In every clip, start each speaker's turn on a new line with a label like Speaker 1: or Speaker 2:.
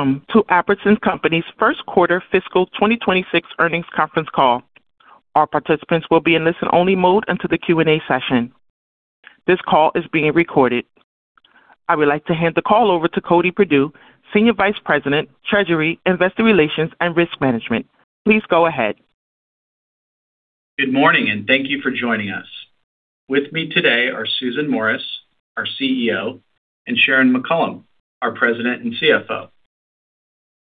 Speaker 1: Welcome to Albertsons Companies first quarter fiscal 2026 earnings conference call. All participants will be in listen-only mode until the Q&A session. This call is being recorded. I would like to hand the call over to Cody Perdue, Senior Vice President, Treasury, Investor Relations, and Risk Management. Please go ahead.
Speaker 2: Good morning, thank you for joining us. With me today are Susan Morris, our CEO, and Sharon McCollam, our President and CFO.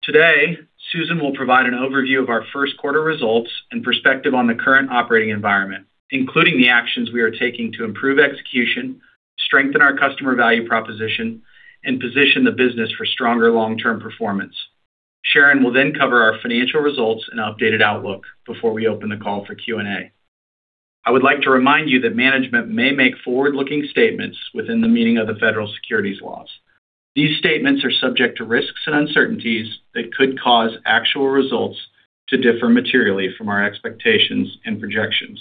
Speaker 2: Today, Susan will provide an overview of our first quarter results and perspective on the current operating environment, including the actions we are taking to improve execution, strengthen our customer value proposition, and position the business for stronger long-term performance. Sharon will then cover our financial results and updated outlook before we open the call for Q&A. I would like to remind you that management may make forward-looking statements within the meaning of the federal securities laws. These statements are subject to risks and uncertainties that could cause actual results to differ materially from our expectations and projections.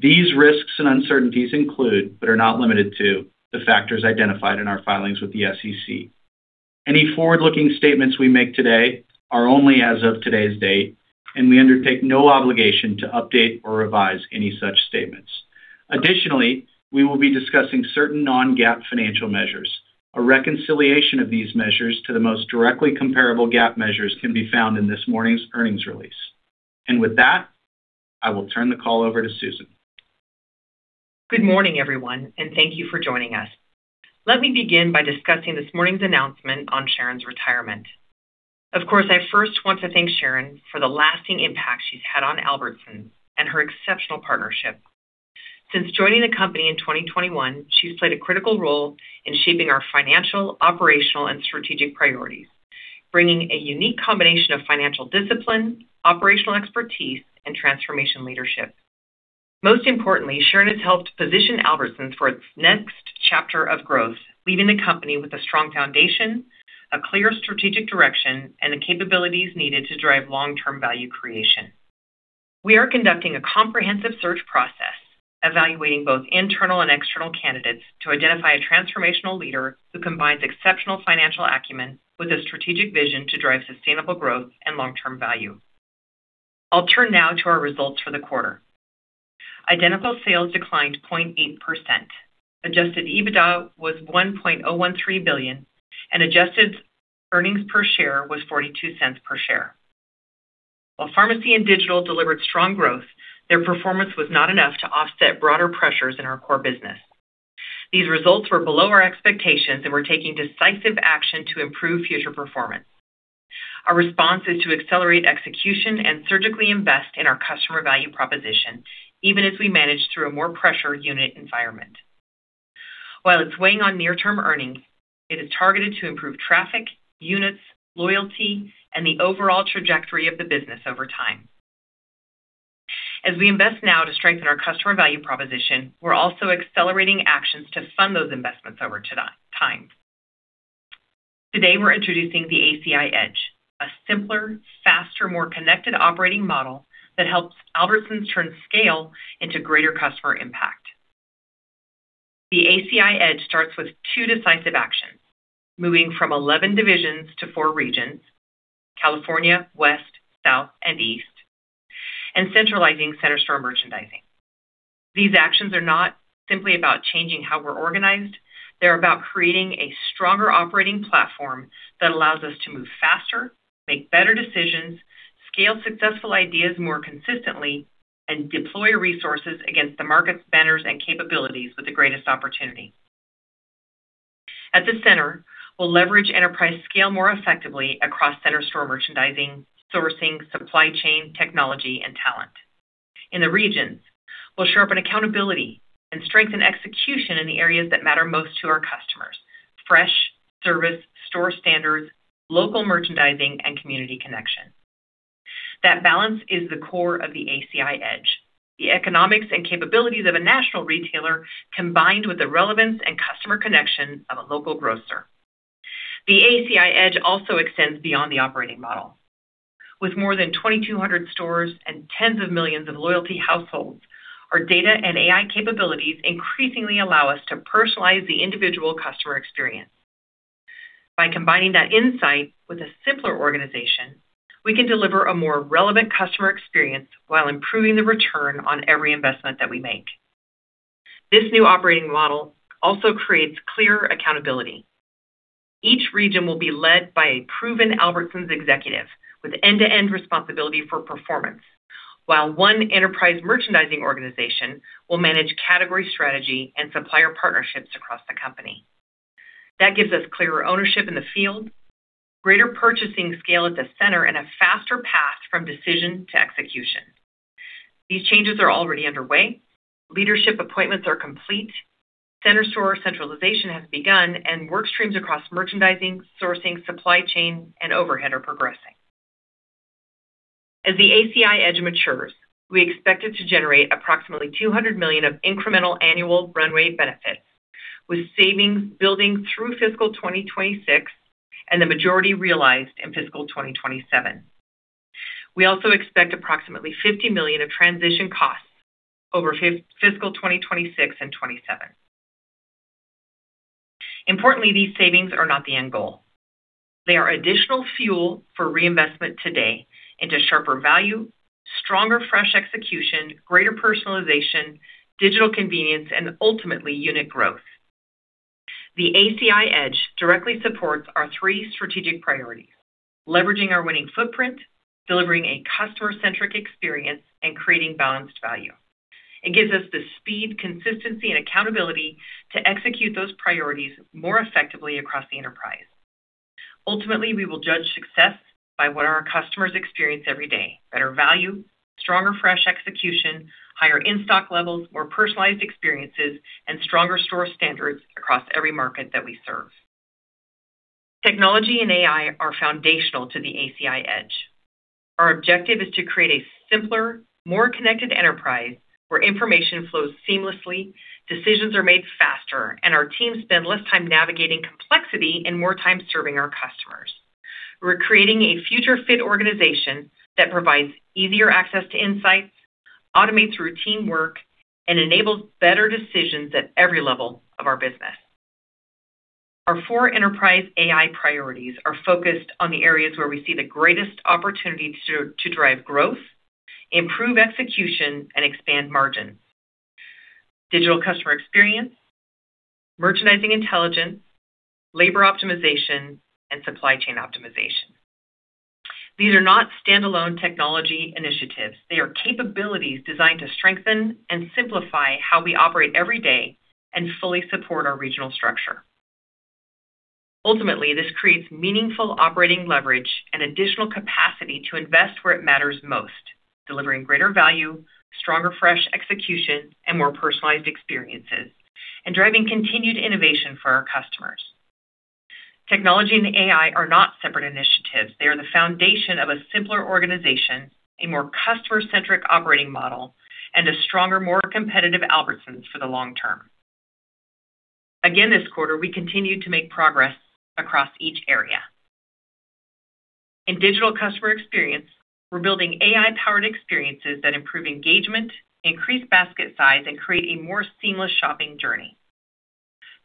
Speaker 2: These risks and uncertainties include, but are not limited to, the factors identified in our filings with the SEC. Any forward-looking statements we make today are only as of today's date, we undertake no obligation to update or revise any such statements. Additionally, we will be discussing certain non-GAAP financial measures. A reconciliation of these measures to the most directly comparable GAAP measures can be found in this morning's earnings release. With that, I will turn the call over to Susan.
Speaker 3: Good morning, everyone, thank you for joining us. Let me begin by discussing this morning's announcement on Sharon's retirement. Of course, I first want to thank Sharon for the lasting impact she's had on Albertsons and her exceptional partnership. Since joining the company in 2021, she's played a critical role in shaping our financial, operational, and strategic priorities, bringing a unique combination of financial discipline, operational expertise, and transformation leadership. Most importantly, Sharon has helped position Albertsons for its next chapter of growth, leaving the company with a strong foundation, a clear strategic direction, and the capabilities needed to drive long-term value creation. We are conducting a comprehensive search process, evaluating both internal and external candidates, to identify a transformational leader who combines exceptional financial acumen with a strategic vision to drive sustainable growth and long-term value. I'll turn now to our results for the quarter. Identical sales declined 0.8%. Adjusted EBITDA was $1.013 billion, and adjusted earnings per share was $0.42 per share. While pharmacy and digital delivered strong growth, their performance was not enough to offset broader pressures in our core business. These results were below our expectations, and we're taking decisive action to improve future performance. Our response is to accelerate execution and surgically invest in our customer value proposition, even as we manage through a more pressured unit environment. While it's weighing on near-term earnings, it is targeted to improve traffic, units, loyalty, and the overall trajectory of the business over time. As we invest now to strengthen our customer value proposition, we're also accelerating actions to fund those investments over time. Today, we're introducing the ACI Edge, a simpler, faster, more connected operating model that helps Albertsons turn scale into greater customer impact. The ACI Edge starts with two decisive actions, moving from 11 divisions to four regions, California, West, South, and East, and centralizing Center Store merchandising. These actions are not simply about changing how we're organized. They're about creating a stronger operating platform that allows us to move faster, make better decisions, scale successful ideas more consistently, and deploy resources against the market banners and capabilities with the greatest opportunity. At the center, we'll leverage enterprise scale more effectively across Center Store merchandising, sourcing, supply chain, technology, and talent. In the regions, we'll sharpen accountability and strengthen execution in the areas that matter most to our customers: fresh, service, store standards, local merchandising, and community connection. That balance is the core of the ACI Edge. The economics and capabilities of a national retailer combined with the relevance and customer connection of a local grocer. The ACI Edge also extends beyond the operating model. With more than 2,200 stores and tens of millions of loyalty households, our data and AI capabilities increasingly allow us to personalize the individual customer experience. By combining that insight with a simpler organization, we can deliver a more relevant customer experience while improving the return on every investment that we make. This new operating model also creates clear accountability. Each region will be led by a proven Albertsons executive with end-to-end responsibility for performance. While one enterprise merchandising organization will manage category strategy and supplier partnerships across the company. That gives us clearer ownership in the field, greater purchasing scale at the center, and a faster path from decision to execution. These changes are already underway. Leadership appointments are complete. Center Store centralization has begun, and work streams across merchandising, sourcing, supply chain, and overhead are progressing. As the ACI Edge matures, we expect it to generate approximately $200 million of incremental annual runway benefits with savings building through fiscal 2026 and the majority realized in fiscal 2027. We also expect approximately $50 million of transition costs over fiscal 2026 and 2027. Importantly, these savings are not the end goal. They are additional fuel for reinvestment today into sharper value, stronger fresh execution, greater personalization, digital convenience, and ultimately unit growth. The ACI Edge directly supports our three strategic priorities: leveraging our winning footprint, delivering a customer-centric experience, and creating balanced value. It gives us the speed, consistency, and accountability to execute those priorities more effectively across the enterprise. Ultimately, we will judge success by what our customers experience every day: better value, stronger fresh execution, higher in-stock levels, more personalized experiences, and stronger store standards across every market that we serve. Technology and AI are foundational to the ACI Edge. Our objective is to create a simpler, more connected enterprise where information flows seamlessly, decisions are made faster, and our teams spend less time navigating complexity and more time serving our customers. We're creating a future-fit organization that provides easier access to insights, automates routine work, and enables better decisions at every level of our business. Our four enterprise AI priorities are focused on the areas where we see the greatest opportunity to drive growth, improve execution, and expand margin. Digital customer experience, merchandising intelligence, labor optimization, and supply chain optimization. These are not standalone technology initiatives. They are capabilities designed to strengthen and simplify how we operate every day and fully support our regional structure. Ultimately, this creates meaningful operating leverage and additional capacity to invest where it matters most, delivering greater value, stronger fresh execution, and more personalized experiences, and driving continued innovation for our customers. Technology and AI are not separate initiatives. They are the foundation of a simpler organization, a more customer-centric operating model, and a stronger, more competitive Albertsons for the long term. Again, this quarter, we continued to make progress across each area. In digital customer experience, we're building AI-powered experiences that improve engagement, increase basket size, and create a more seamless shopping journey.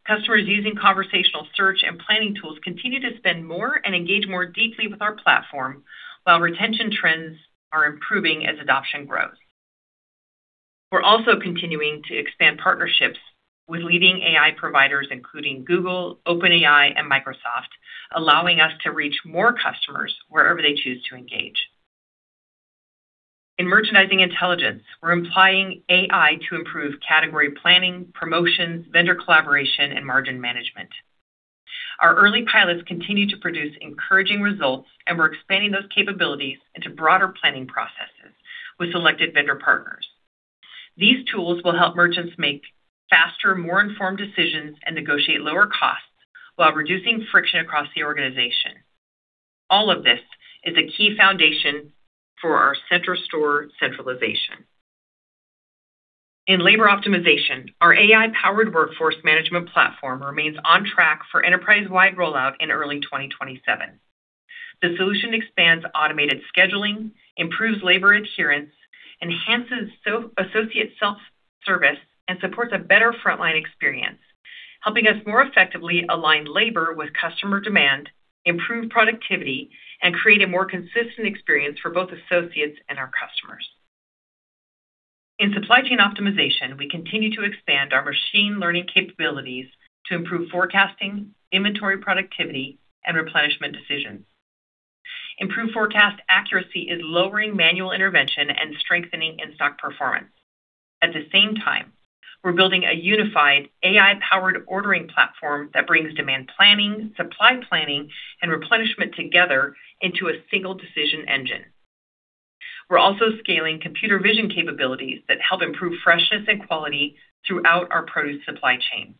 Speaker 3: Customers using conversational search and planning tools continue to spend more and engage more deeply with our platform, while retention trends are improving as adoption grows. We're also continuing to expand partnerships with leading AI providers, including Google, OpenAI, and Microsoft, allowing us to reach more customers wherever they choose to engage. In merchandising intelligence, we're applying AI to improve category planning, promotions, vendor collaboration, and margin management. Our early pilots continue to produce encouraging results, and we're expanding those capabilities into broader planning processes with selected vendor partners. These tools will help merchants make faster, more informed decisions, and negotiate lower costs while reducing friction across the organization. All of this is a key foundation for our Center Store centralization. In labor optimization, our AI-powered workforce management platform remains on track for enterprise-wide rollout in early 2027. The solution expands automated scheduling, improves labor adherence, enhances associate self-service, and supports a better frontline experience, helping us more effectively align labor with customer demand, improve productivity, and create a more consistent experience for both associates and our customers. In supply chain optimization, we continue to expand our machine learning capabilities to improve forecasting, inventory productivity, and replenishment decisions. Improved forecast accuracy is lowering manual intervention and strengthening in-stock performance. At the same time, we're building a unified AI-powered ordering platform that brings demand planning, supply planning, and replenishment together into a single decision engine. We're also scaling computer vision capabilities that help improve freshness and quality throughout our produce supply chain.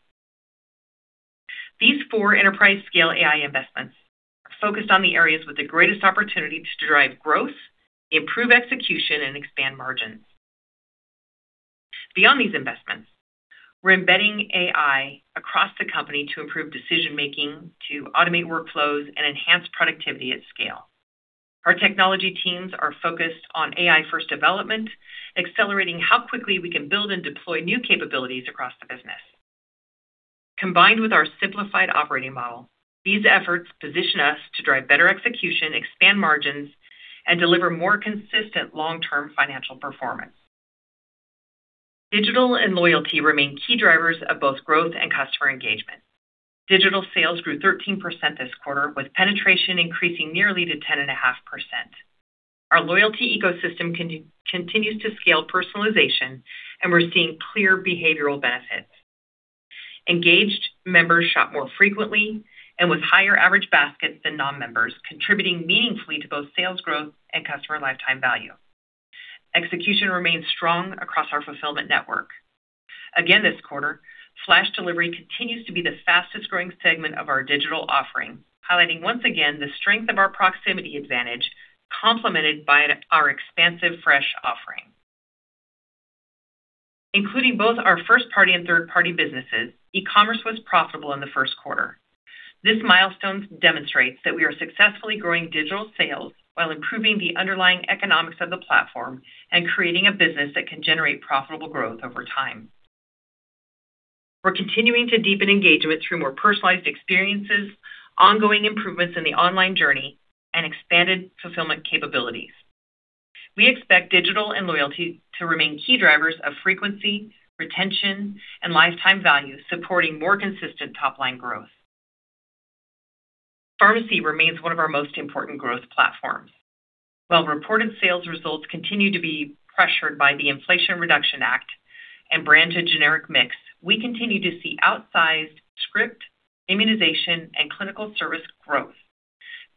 Speaker 3: These four enterprise-scale AI investments are focused on the areas with the greatest opportunity to drive growth, improve execution, and expand margins. Beyond these investments, we're embedding AI across the company to improve decision-making, to automate workflows, and enhance productivity at scale. Our technology teams are focused on AI-first development, accelerating how quickly we can build and deploy new capabilities across the business. Combined with our simplified operating model, these efforts position us to drive better execution, expand margins, and deliver more consistent long-term financial performance. Digital and loyalty remain key drivers of both growth and customer engagement. Digital sales grew 13% this quarter, with penetration increasing nearly to 10.5%. Our loyalty ecosystem continues to scale personalization, and we're seeing clear behavioral benefits. Engaged members shop more frequently and with higher average baskets than non-members, contributing meaningfully to both sales growth and customer lifetime value. Execution remains strong across our fulfillment network. Again, this quarter, flash delivery continues to be the fastest-growing segment of our digital offering, highlighting once again the strength of our proximity advantage, complemented by our expansive fresh offering. Including both our first-party and third-party businesses, e-commerce was profitable in the first quarter. This milestone demonstrates that we are successfully growing digital sales while improving the underlying economics of the platform and creating a business that can generate profitable growth over time. We're continuing to deepen engagement through more personalized experiences, ongoing improvements in the online journey, and expanded fulfillment capabilities. We expect digital and loyalty to remain key drivers of frequency, retention, and lifetime value, supporting more consistent top-line growth. Pharmacy remains one of our most important growth platforms. While reported sales results continue to be pressured by the Inflation Reduction Act and brand to generic mix, we continue to see outsized script, immunization, and clinical service growth.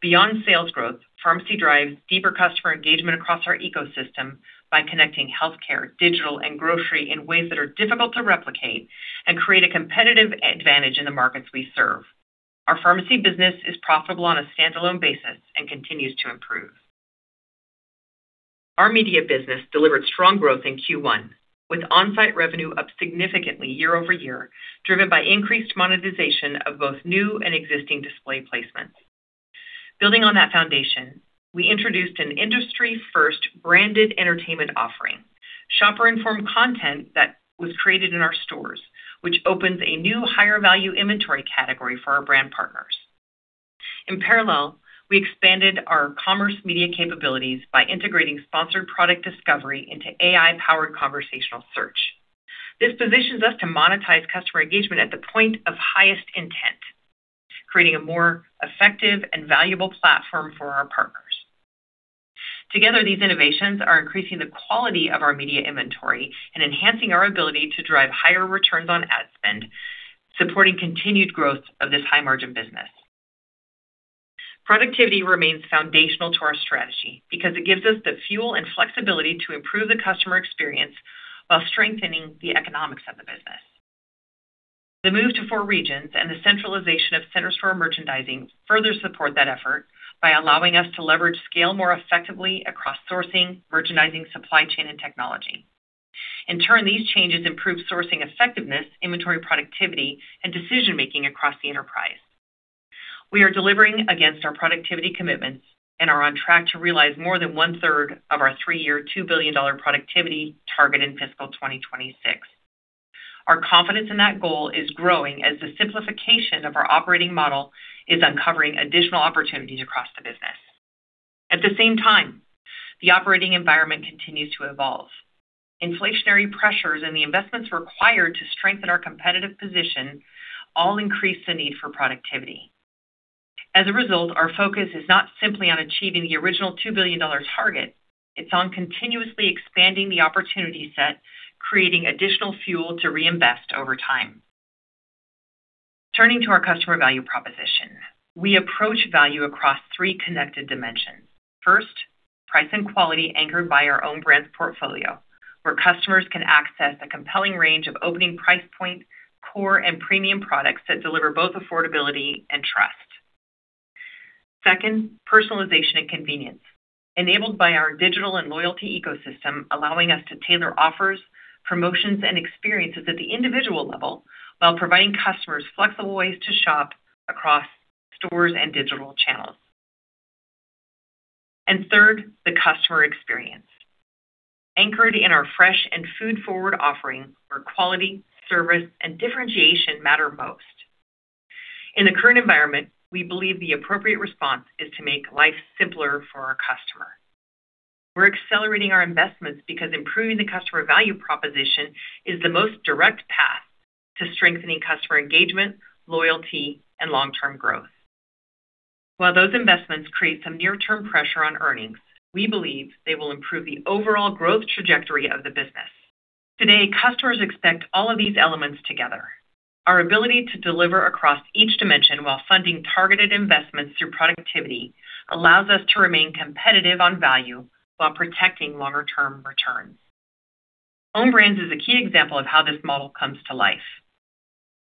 Speaker 3: Beyond sales growth, pharmacy drives deeper customer engagement across our ecosystem by connecting healthcare, digital, and grocery in ways that are difficult to replicate and create a competitive advantage in the markets we serve. Our pharmacy business is profitable on a standalone basis and continues to improve. Our media business delivered strong growth in Q1, with on-site revenue up significantly year-over-year, driven by increased monetization of both new and existing display placements. Building on that foundation, we introduced an industry-first branded entertainment offering, Shopper Informed Content, that was created in our stores, which opens a new higher-value inventory category for our brand partners. In parallel, we expanded our commerce media capabilities by integrating sponsored product discovery into AI-powered conversational search. This positions us to monetize customer engagement at the point of highest intent, creating a more effective and valuable platform for our partners. Together, these innovations are increasing the quality of our media inventory and enhancing our ability to drive higher returns on ad spend, supporting continued growth of this high-margin business. Productivity remains foundational to our strategy because it gives us the fuel and flexibility to improve the customer experience while strengthening the economics of the business. The move to four regions and the centralization of centers for merchandising further support that effort by allowing us to leverage scale more effectively across sourcing, merchandising, supply chain, and technology. In turn, these changes improve sourcing effectiveness, inventory productivity, and decision-making across the enterprise. We are delivering against our productivity commitments and are on track to realize more than one-third of our three-year, $2 billion productivity target in fiscal 2026. Our confidence in that goal is growing as the simplification of our operating model is uncovering additional opportunities across the business. At the same time, the operating environment continues to evolve. Inflationary pressures and the investments required to strengthen our competitive position all increase the need for productivity. As a result, our focus is not simply on achieving the original $2 billion target. It's on continuously expanding the opportunity set, creating additional fuel to reinvest over time. Turning to our customer value proposition, we approach value across three connected dimensions. First, price and quality anchored by our own brands portfolio, where customers can access a compelling range of opening price point, core, and premium products that deliver both affordability and trust. Second, personalization and convenience, enabled by our digital and loyalty ecosystem, allowing us to tailor offers, promotions, and experiences at the individual level while providing customers flexible ways to shop across stores and digital channels. Third, the customer experience, anchored in our fresh and food-forward offering where quality, service, and differentiation matter most. In the current environment, we believe the appropriate response is to make life simpler for our customer. We're accelerating our investments because improving the customer value proposition is the most direct path to strengthening customer engagement, loyalty, and long-term growth. While those investments create some near-term pressure on earnings, we believe they will improve the overall growth trajectory of the business. Today, customers expect all of these elements together. Our ability to deliver across each dimension while funding targeted investments through productivity allows us to remain competitive on value while protecting longer-term returns. Own Brands is a key example of how this model comes to life.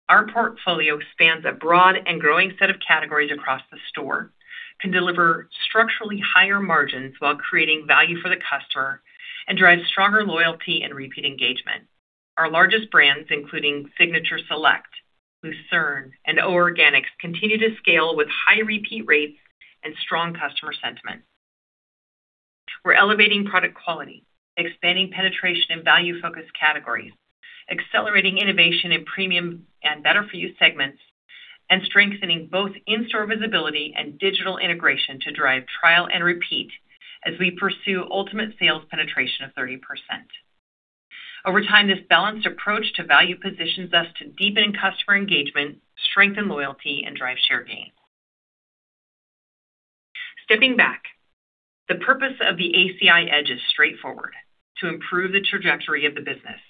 Speaker 3: Our portfolio spans a broad and growing set of categories across the store, can deliver structurally higher margins while creating value for the customer, and drives stronger loyalty and repeat engagement. Our largest brands, including Signature SELECT, Lucerne, and O Organics, continue to scale with high repeat rates and strong customer sentiment. We're elevating product quality, expanding penetration in value-focused categories, accelerating innovation in premium and better-for-you segments, and strengthening both in-store visibility and digital integration to drive trial and repeat as we pursue ultimate sales penetration of 30%. Over time, this balanced approach to value positions us to deepen customer engagement, strengthen loyalty, and drive share gain. Stepping back, the purpose of the ACI Edge is straightforward: to improve the trajectory of the business.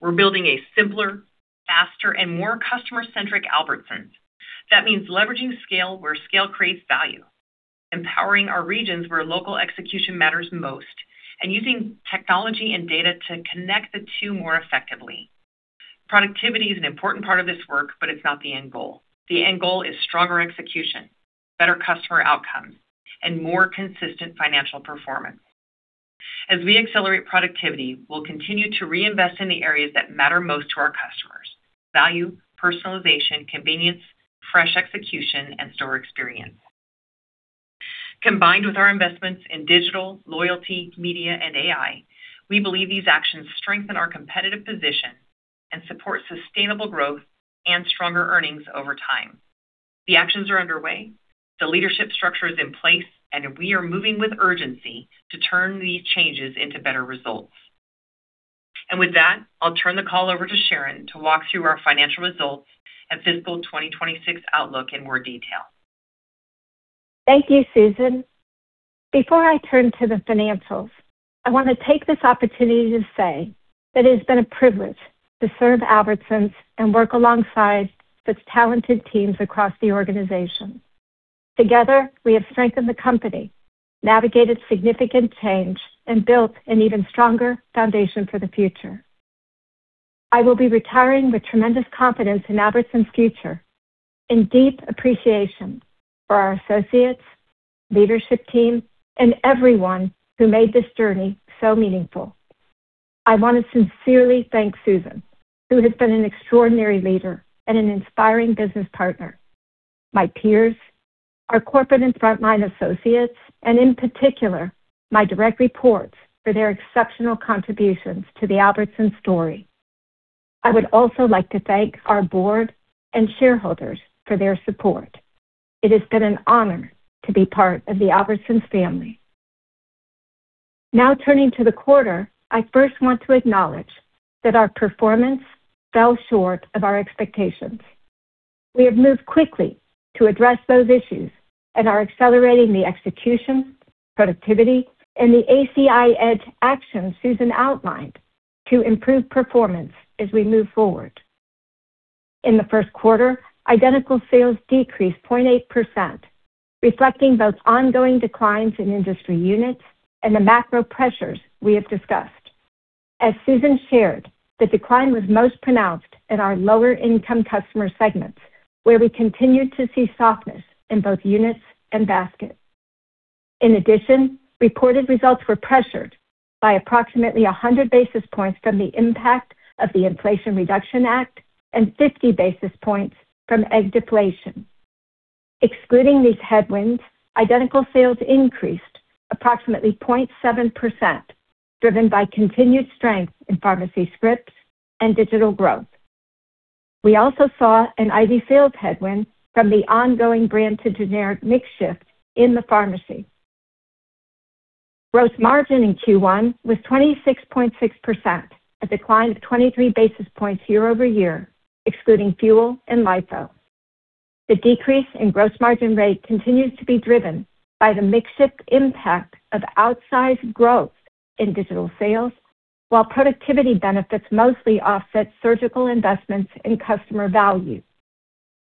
Speaker 3: We're building a simpler, faster, and more customer-centric Albertsons. That means leveraging scale where scale creates value, empowering our regions where local execution matters most, and using technology and data to connect the two more effectively. Productivity is an important part of this work, it's not the end goal. The end goal is stronger execution, better customer outcomes, and more consistent financial performance. As we accelerate productivity, we'll continue to reinvest in the areas that matter most to our customers: value, personalization, convenience, fresh execution, and store experience. Combined with our investments in digital, loyalty, media, and AI, we believe these actions strengthen our competitive position and support sustainable growth and stronger earnings over time. The actions are underway, the leadership structure is in place, and we are moving with urgency to turn these changes into better results. With that, I'll turn the call over to Sharon to walk through our financial results and fiscal 2026 outlook in more detail.
Speaker 4: Thank you, Susan. Before I turn to the financials, I want to take this opportunity to say that it has been a privilege to serve Albertsons and work alongside the talented teams across the organization. Together, we have strengthened the company, navigated significant change, and built an even stronger foundation for the future. I will be retiring with tremendous confidence in Albertsons' future and deep appreciation for our associates, leadership team, and everyone who made this journey so meaningful. I want to sincerely thank Susan, who has been an extraordinary leader and an inspiring business partner, my peers, our corporate and frontline associates, and in particular, my direct reports for their exceptional contributions to the Albertsons story. I would also like to thank our board and shareholders for their support. It has been an honor to be part of the Albertsons family. Turning to the quarter, I first want to acknowledge that our performance fell short of our expectations. We have moved quickly to address those issues and are accelerating the execution, productivity, and the ACI Edge actions Susan outlined to improve performance as we move forward. In the first quarter, identical sales decreased 0.8%, reflecting both ongoing declines in industry units and the macro pressures we have discussed. As Susan shared, the decline was most pronounced in our lower-income customer segments, where we continued to see softness in both units and baskets. In addition, reported results were pressured by approximately 100 basis points from the impact of the Inflation Reduction Act and 50 basis points from egg deflation. Excluding these headwinds, identical sales increased approximately 0.7%, driven by continued strength in pharmacy scripts and digital growth. We also saw an IV Field headwind from the ongoing brand to generic mix shift in the pharmacy. Gross margin in Q1 was 26.6%, a decline of 23 basis points year-over-year, excluding fuel and LIFO. The decrease in gross margin rate continues to be driven by the mix shift impact of outsized growth in digital sales, while productivity benefits mostly offset surgical investments in customer value.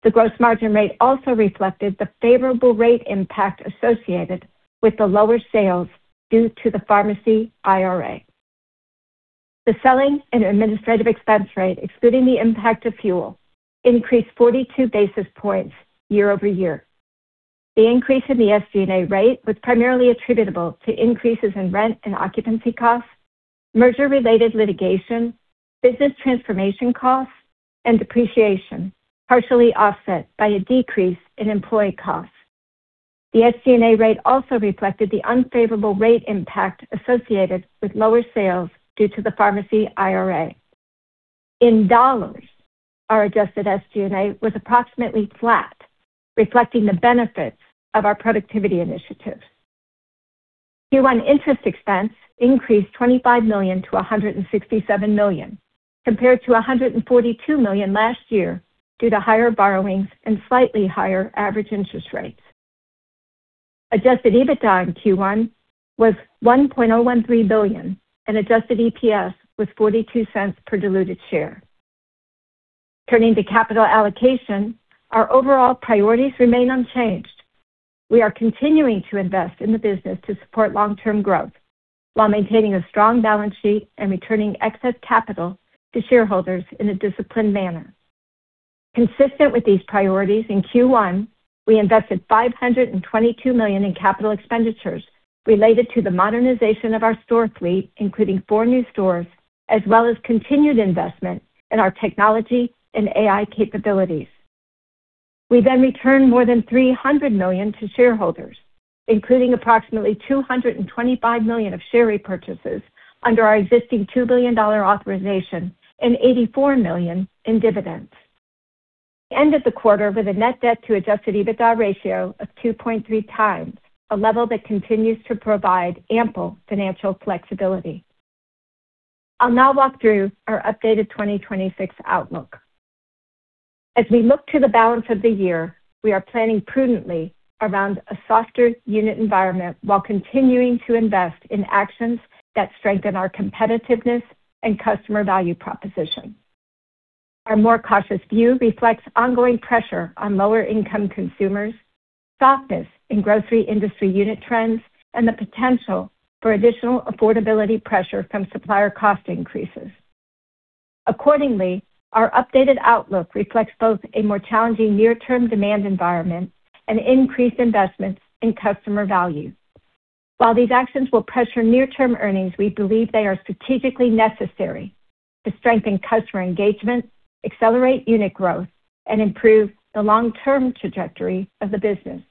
Speaker 4: The gross margin rate also reflected the favorable rate impact associated with the lower sales due to the pharmacy IRA. The selling and administrative expense rate, excluding the impact of fuel, increased 42 basis points year-over-year. The increase in the SG&A rate was primarily attributable to increases in rent and occupancy costs, merger-related litigation, business transformation costs, and depreciation, partially offset by a decrease in employee costs. The SG&A rate also reflected the unfavorable rate impact associated with lower sales due to the pharmacy IRA. In dollars, our adjusted SG&A was approximately flat, reflecting the benefits of our productivity initiatives. Q1 interest expense increased $25 million to $167 million, compared to $142 million last year, due to higher borrowings and slightly higher average interest rates. Adjusted EBITDA in Q1 was $1.013 billion, and adjusted EPS was $0.42 per diluted share. Turning to capital allocation, our overall priorities remain unchanged. We are continuing to invest in the business to support long-term growth while maintaining a strong balance sheet and returning excess capital to shareholders in a disciplined manner. Consistent with these priorities, in Q1, we invested $522 million in capital expenditures related to the modernization of our store fleet, including four new stores, as well as continued investment in our technology and AI capabilities. We returned more than $300 million to shareholders, including approximately $225 million of share repurchases under our existing $2 billion authorization and $84 million in dividends. We ended the quarter with a net debt to adjusted EBITDA ratio of 2.3 times, a level that continues to provide ample financial flexibility. I'll now walk through our updated 2026 outlook. As we look to the balance of the year, we are planning prudently around a softer unit environment while continuing to invest in actions that strengthen our competitiveness and customer value proposition. Our more cautious view reflects ongoing pressure on lower-income consumers. Softness in grocery industry unit trends and the potential for additional affordability pressure from supplier cost increases. Our updated outlook reflects both a more challenging near-term demand environment and increased investments in customer value. While these actions will pressure near-term earnings, we believe they are strategically necessary to strengthen customer engagement, accelerate unit growth, and improve the long-term trajectory of the business.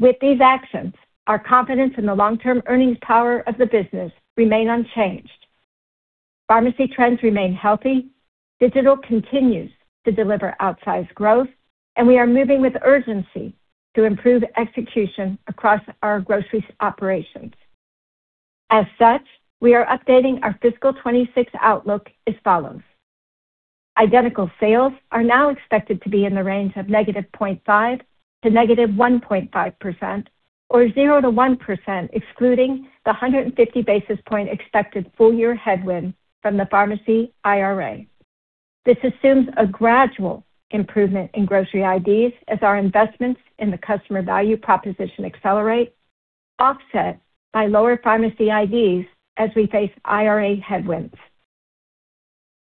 Speaker 4: With these actions, our confidence in the long-term earnings power of the business remain unchanged. Pharmacy trends remain healthy. Digital continues to deliver outsized growth, and we are moving with urgency to improve execution across our grocery operations. We are updating our fiscal 2026 outlook as follows. Identical sales are now expected to be in the range of -0.5% to -1.5% or 0% to 1%, excluding the 150 basis point expected full-year headwind from the pharmacy IRA. This assumes a gradual improvement in grocery IDs as our investments in the customer value proposition accelerate, offset by lower pharmacy IDs as we face IRA headwinds.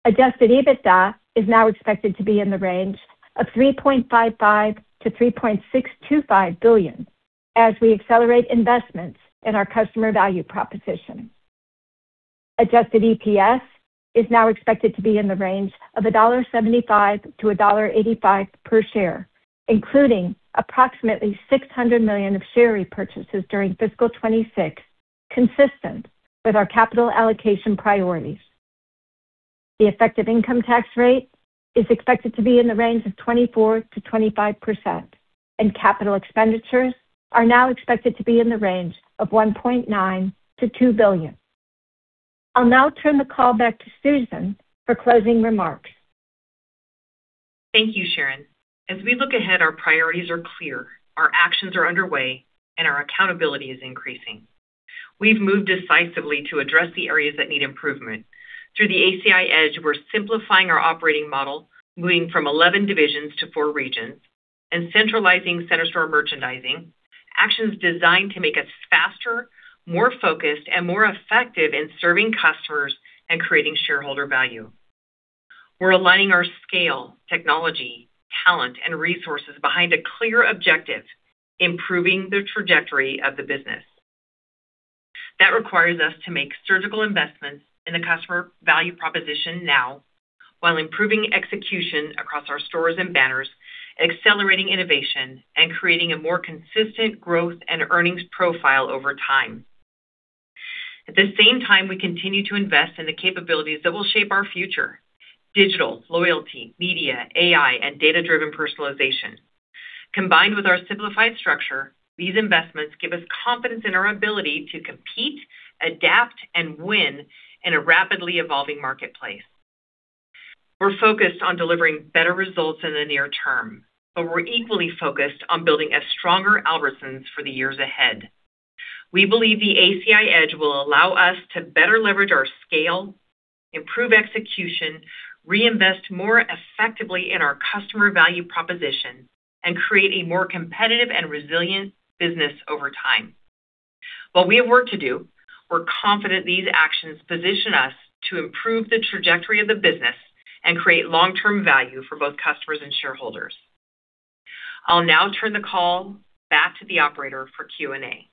Speaker 4: Adjusted EBITDA is now expected to be in the range of $3.55 billion-$3.625 billion as we accelerate investments in our customer value proposition. Adjusted EPS is now expected to be in the range of $1.75-$1.85 per share, including approximately $600 million of share repurchases during fiscal 2026, consistent with our capital allocation priorities. The effective income tax rate is expected to be in the range of 24%-25%, and capital expenditures are now expected to be in the range of $1.9 billion-$2 billion. I'll now turn the call back to Susan for closing remarks.
Speaker 3: Thank you, Sharon. We look ahead, our priorities are clear, our actions are underway, and our accountability is increasing. We've moved decisively to address the areas that need improvement. Through the ACI Edge, we're simplifying our operating model, moving from 11 divisions to four regions, and centralizing Center Store merchandising, actions designed to make us faster, more focused, and more effective in serving customers and creating shareholder value. We're aligning our scale, technology, talent, and resources behind a clear objective, improving the trajectory of the business. That requires us to make surgical investments in the customer value proposition now, while improving execution across our stores and banners, accelerating innovation, and creating a more consistent growth and earnings profile over time. At the same time, we continue to invest in the capabilities that will shape our future: digital, loyalty, media, AI, and data-driven personalization. Combined with our simplified structure, these investments give us confidence in our ability to compete, adapt, and win in a rapidly evolving marketplace. We're focused on delivering better results in the near term, but we're equally focused on building a stronger Albertsons for the years ahead. We believe the ACI Edge will allow us to better leverage our scale, improve execution, reinvest more effectively in our customer value proposition, and create a more competitive and resilient business over time. While we have work to do, we're confident these actions position us to improve the trajectory of the business and create long-term value for both customers and shareholders. I'll now turn the call back to the operator for Q&A.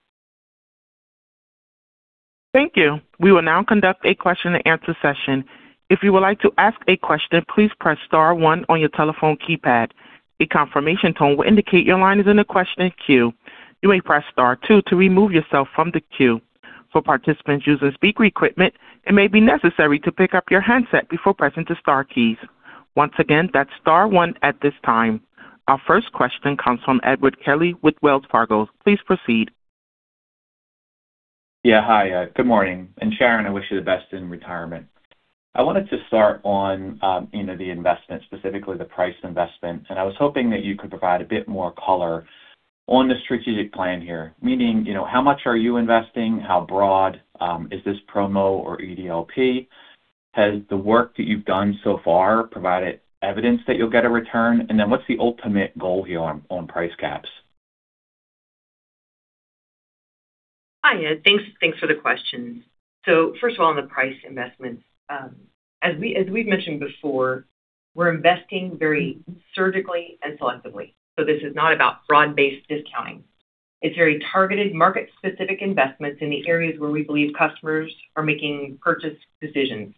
Speaker 1: Thank you. We will now conduct a question and answer session. If you would like to ask a question, please press star one on your telephone keypad. A confirmation tone will indicate your line in the question queue. You may press star two to remove yourself from the queue. For participants using speaker equipment, it may be necessary to pick up your handset before pressing the star keys. Once again, that's star one at this time. Our first question comes from Edward Kelly with Wells Fargo. Please proceed.
Speaker 5: Yeah. Hi. Good morning. Sharon, I wish you the best in retirement. I wanted to start on the investment, specifically the price investment, I was hoping that you could provide a bit more color on the strategic plan here. Meaning, how much are you investing? How broad is this promo or EDLP? Has the work that you've done so far provided evidence that you'll get a return? What's the ultimate goal here on price gaps?
Speaker 3: Hi, Ed. Thanks for the question. First of all, on the price investments, as we've mentioned before, we're investing very surgically and selectively. This is not about broad-based discounting. It's very targeted market-specific investments in the areas where we believe customers are making purchase decisions.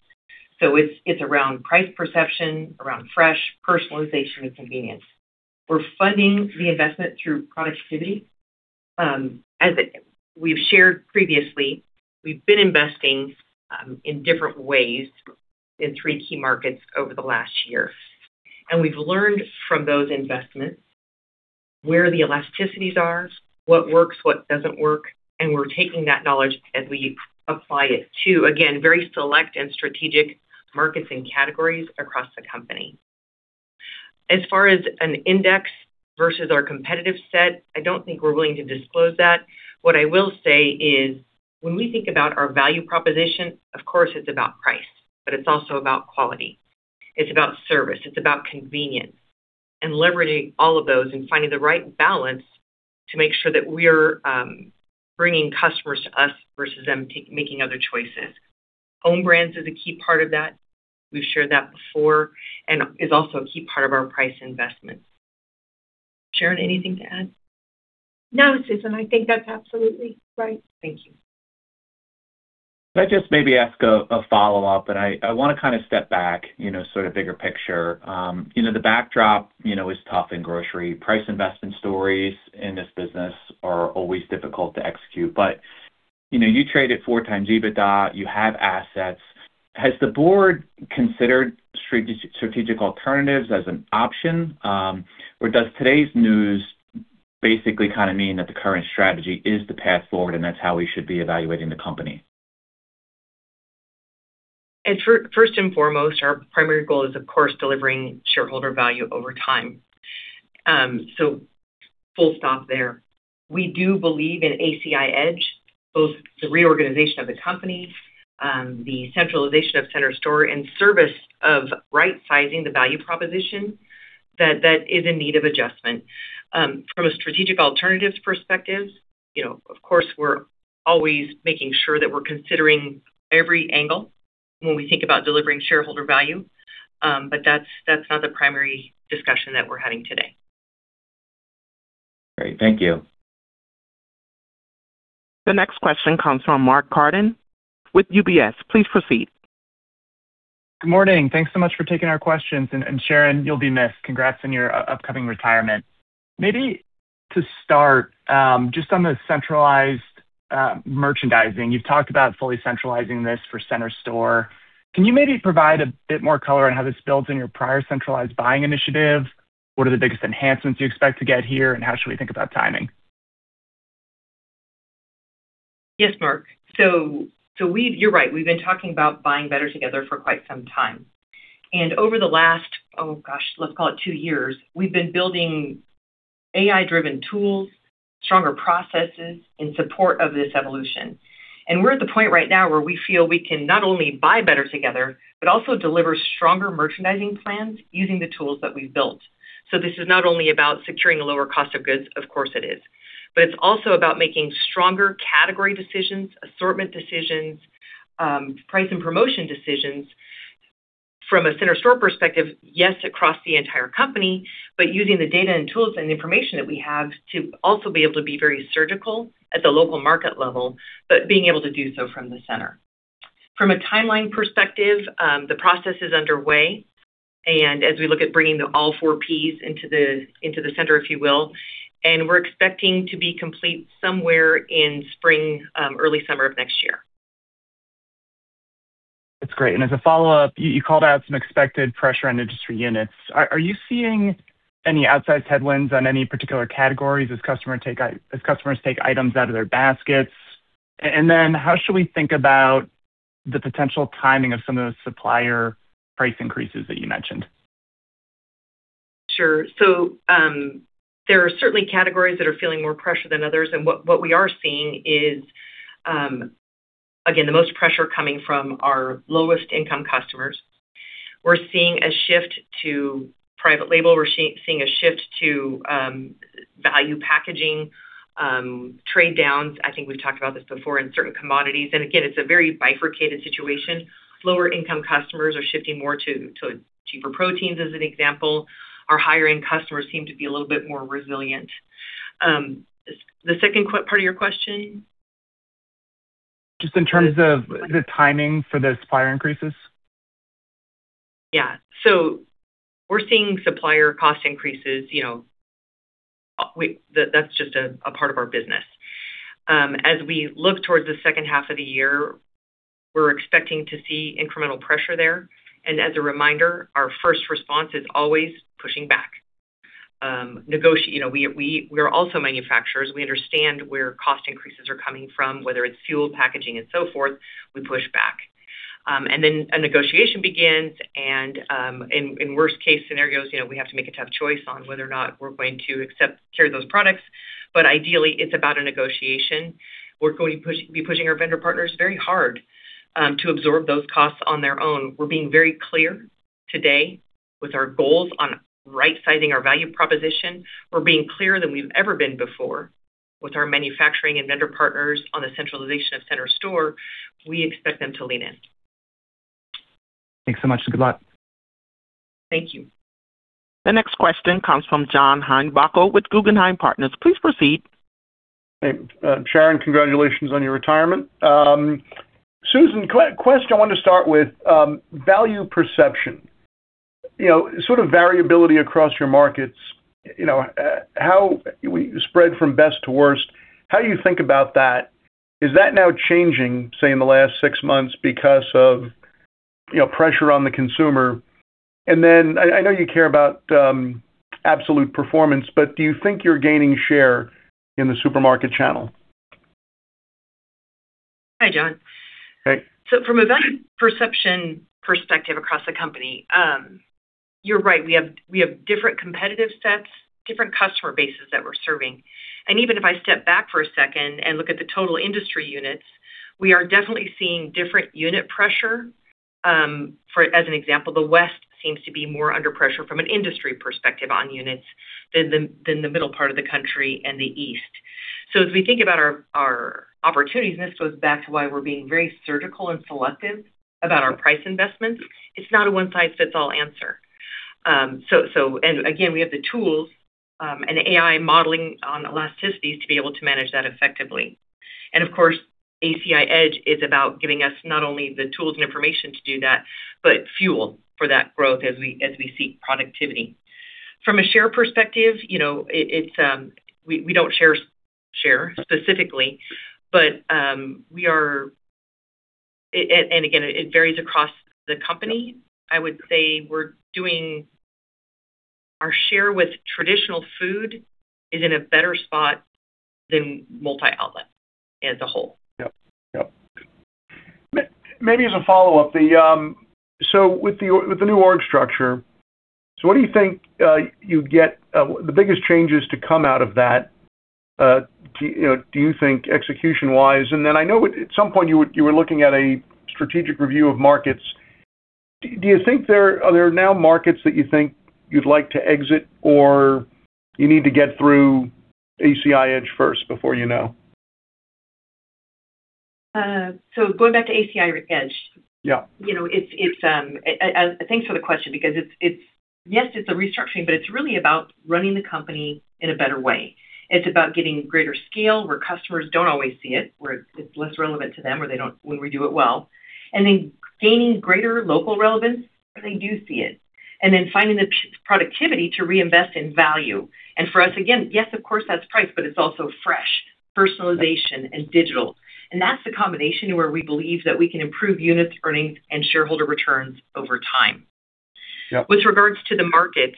Speaker 3: It's around price perception, around fresh personalization and convenience. We're funding the investment through productivity. As we've shared previously, we've been investing in different ways in three key markets over the last year, we've learned from those investments where the elasticities are, what works, what doesn't work, and we're taking that knowledge as we apply it to, again, very select and strategic markets and categories across the company. As far as an index versus our competitive set, I don't think we're willing to disclose that. What I will say is when we think about our value proposition, of course, it's about price, but it's also about quality. It's about service, it's about convenience, and leveraging all of those and finding the right balance to make sure that we're bringing customers to us versus them making other choices. Own brands is a key part of that, we've shared that before, and is also a key part of our price investment. Sharon, anything to add?
Speaker 4: No, Susan, I think that's absolutely right.
Speaker 3: Thank you.
Speaker 5: Can I just maybe ask a follow-up, and I want to kind of step back, sort of bigger picture. The backdrop is tough in grocery. Price investment stories in this business are always difficult to execute, but you trade at 4x EBITDA, you have assets. Has the board considered strategic alternatives as an option? Or does today's news basically kind of mean that the current strategy is the path forward, and that's how we should be evaluating the company?
Speaker 3: First and foremost, our primary goal is, of course, delivering shareholder value over time. Full stop there. We do believe in ACI Edge, both the reorganization of the company, the centralization of center store, and service of right-sizing the value proposition that is in need of adjustment. From a strategic alternatives perspective, of course, we're always making sure that we're considering every angle when we think about delivering shareholder value. That's not the primary discussion that we're having today.
Speaker 5: Great. Thank you.
Speaker 1: The next question comes from Mark Carden with UBS. Please proceed.
Speaker 6: Good morning. Thanks so much for taking our questions. Sharon, you'll be missed. Congrats on your upcoming retirement. Maybe to start, just on the centralized merchandising, you've talked about fully centralizing this for center store. Can you maybe provide a bit more color on how this builds in your prior centralized buying initiative? What are the biggest enhancements you expect to get here, and how should we think about timing?
Speaker 3: Yes, Mark. You're right, we've been talking about buying better together for quite some time. Over the last, oh, gosh, let's call it two years, we've been building AI-driven tools, stronger processes in support of this evolution. We're at the point right now where we feel we can not only buy better together, but also deliver stronger merchandising plans using the tools that we've built. This is not only about securing a lower cost of goods, of course it is, but it's also about making stronger category decisions, assortment decisions, price and promotion decisions from a center store perspective, yes, across the entire company. Using the data and tools and information that we have to also be able to be very surgical at the local market level, but being able to do so from the center. From a timeline perspective, the process is underway. As we look at bringing all four Ps into the center, if you will, we're expecting to be complete somewhere in spring, early summer of next year.
Speaker 6: That's great. As a follow-up, you called out some expected pressure on industry units. Are you seeing any outsized headwinds on any particular categories as customers take items out of their baskets? How should we think about the potential timing of some of those supplier price increases that you mentioned?
Speaker 3: Sure. There are certainly categories that are feeling more pressure than others. What we are seeing is, again, the most pressure coming from our lowest income customers. We're seeing a shift to private label. We're seeing a shift to value packaging, trade downs, I think we've talked about this before, in certain commodities. Again, it's a very bifurcated situation. Lower income customers are shifting more to cheaper proteins, as an example. Our higher end customers seem to be a little bit more resilient. The second part of your question?
Speaker 6: Just in terms of the timing for the supplier increases.
Speaker 3: Yeah. We're seeing supplier cost increases. That's just a part of our business. As we look towards the second half of the year, we're expecting to see incremental pressure there. As a reminder, our first response is always pushing back. We are also manufacturers. We understand where cost increases are coming from, whether it's fuel, packaging, and so forth. We push back. Then a negotiation begins, and in worst case scenarios, we have to make a tough choice on whether or not we're going to accept carry those products. Ideally, it's about a negotiation. We're going to be pushing our vendor partners very hard to absorb those costs on their own. We're being very clear today with our goals on right-sizing our value proposition. We're being clearer than we've ever been before with our manufacturing and vendor partners on the centralization of Center Store. We expect them to lean in.
Speaker 6: Thanks so much, and good luck.
Speaker 3: Thank you.
Speaker 1: The next question comes from John Heinbockel with Guggenheim Partners. Please proceed.
Speaker 7: Hey, Sharon, congratulations on your retirement. Susan, question I wanted to start with. Value perception. Sort of variability across your markets, spread from best to worst, how do you think about that? Is that now changing, say, in the last six months because of pressure on the consumer? I know you care about absolute performance, but do you think you're gaining share in the supermarket channel?
Speaker 3: Hi, John.
Speaker 7: Hey.
Speaker 3: From a value perception perspective across the company, you're right. We have different competitive sets, different customer bases that we're serving. Even if I step back for a second and look at the total industry units, we are definitely seeing different unit pressure. As an example, the West seems to be more under pressure from an industry perspective on units than the middle part of the country and the East. As we think about our opportunities, and this goes back to why we're being very surgical and selective about our price investments, it's not a one-size-fits-all answer. Again, we have the tools and AI modeling on elasticities to be able to manage that effectively. Of course, ACI Edge is about giving us not only the tools and information to do that, but fuel for that growth as we see productivity. From a share perspective, we don't share specifically, and again, it varies across the company. I would say our share with traditional food is in a better spot than multi-outlet as a whole.
Speaker 7: Yep. Maybe as a follow-up, with the new org structure, what do you think the biggest change is to come out of that, do you think, execution-wise? I know at some point you were looking at a strategic review of markets. Do you think there are now markets that you think you'd like to exit, or you need to get through ACI Edge first before you know?
Speaker 3: Going back to ACI Edge.
Speaker 7: Yeah.
Speaker 3: Thanks for the question because, yes, it's a restructuring, but it's really about running the company in a better way. It's about getting greater scale where customers don't always see it, where it's less relevant to them or when we do it well, then gaining greater local relevance where they do see it, then finding the productivity to reinvest in value. For us, again, yes, of course, that's price, but it's also fresh, personalization, and digital. That's the combination where we believe that we can improve units, earnings, and shareholder returns over time.
Speaker 7: Yeah.
Speaker 3: With regards to the markets,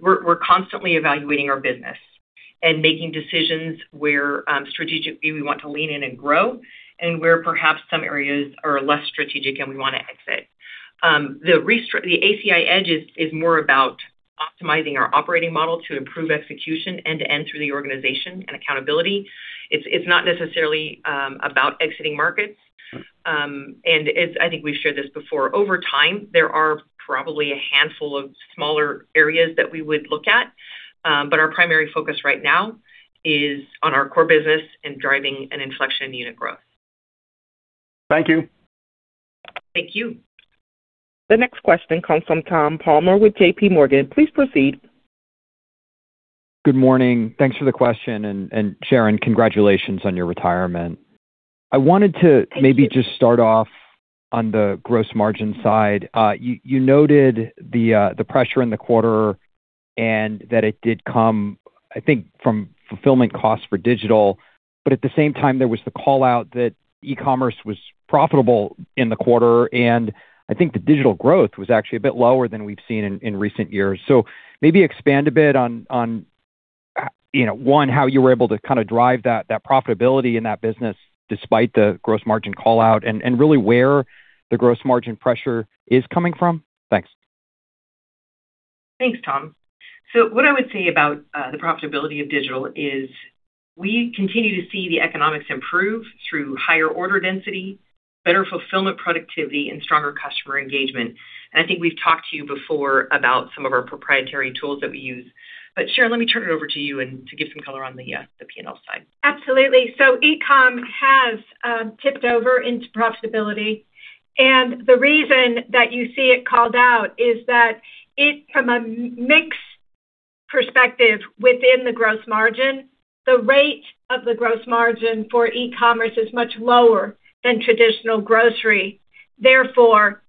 Speaker 3: we're constantly evaluating our business and making decisions where strategically we want to lean in and grow and where perhaps some areas are less strategic and we want to exit. The ACI Edge is more about optimizing our operating model to improve execution end to end through the organization and accountability. It's not necessarily about exiting markets. I think we've shared this before. Over time, there are probably a handful of smaller areas that we would look at. Our primary focus right now is on our core business and driving an inflection in unit growth.
Speaker 7: Thank you.
Speaker 3: Thank you.
Speaker 1: The next question comes from Tom Palmer with JPMorgan. Please proceed.
Speaker 8: Good morning. Thanks for the question, and Sharon, congratulations on your retirement. I wanted to maybe just start off on the gross margin side. You noted the pressure in the quarter and that it did come, I think, from fulfillment costs for digital. At the same time, there was the call-out that e-commerce was profitable in the quarter, and I think the digital growth was actually a bit lower than we've seen in recent years. Maybe expand a bit on, one, how you were able to kind of drive that profitability in that business despite the gross margin call-out and really where the gross margin pressure is coming from. Thanks.
Speaker 3: Thanks, Tom. What I would say about the profitability of digital is we continue to see the economics improve through higher order density, better fulfillment productivity, and stronger customer engagement. I think we've talked to you before about some of our proprietary tools that we use. Sharon, let me turn it over to you to give some color on the P&L side.
Speaker 4: Absolutely. E-com has tipped over into profitability, and the reason that you see it called out is that from a mix perspective within the gross margin, the rate of the gross margin for e-commerce is much lower than traditional grocery. Therefore,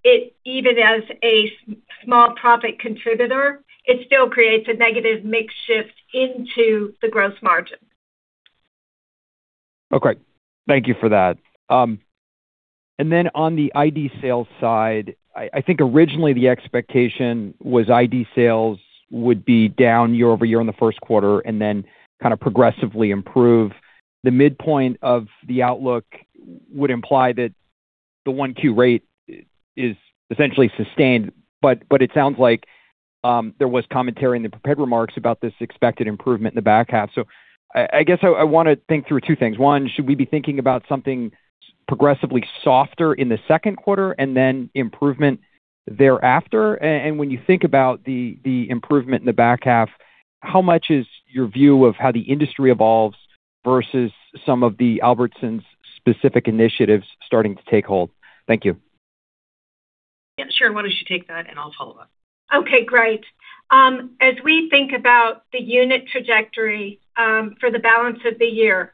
Speaker 4: even as a small profit contributor, it still creates a negative mix shift into the gross margin.
Speaker 8: Okay. Thank you for that. On the identical sales side, I think originally the expectation was identical sales would be down year over year on the first quarter and then kind of progressively improve. The midpoint of the outlook would imply that the one Q rate is essentially sustained, but it sounds like there was commentary in the prepared remarks about this expected improvement in the back half. I guess I want to think through two things. One, should we be thinking about something progressively softer in the second quarter and then improvement thereafter? When you think about the improvement in the back half, how much is your view of how the industry evolves versus some of the Albertsons' specific initiatives starting to take hold? Thank you.
Speaker 3: Sharon, why don't you take that and I'll follow up?
Speaker 4: Okay, great. As we think about the unit trajectory for the balance of the year,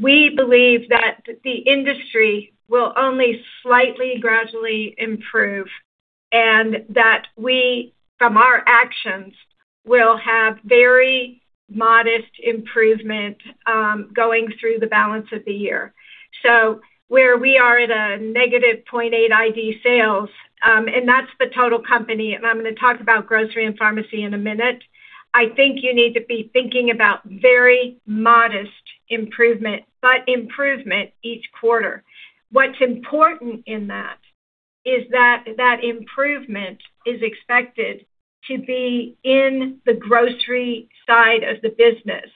Speaker 4: we believe that the industry will only slightly gradually improve and that we, from our actions, will have very modest improvement going through the balance of the year. Where we are at a -0.8 identical sales, and that's the total company, and I'm going to talk about grocery and pharmacy in a minute. I think you need to be thinking about very modest improvement, but improvement each quarter. What's important in that is that improvement is expected to be in the grocery side of the business.